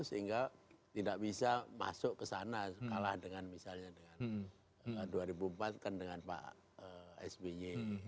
sehingga tidak bisa masuk ke sana kalah dengan misalnya dengan dua ribu empat kan dengan pak sby